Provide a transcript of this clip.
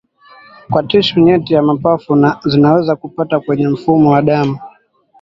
kwa tishu nyeti za mapafu na zinaweza kupita kwenye mfumo wa damu